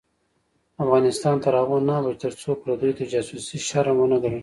افغانستان تر هغو نه ابادیږي، ترڅو پردیو ته جاسوسي شرم ونه ګڼل شي.